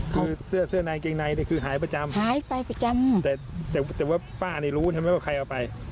คือเสื้อในเกงในคือหายประจำหายไปประจำแต่ว่าป้านี่รู้ทำไมว่าใครเอาไป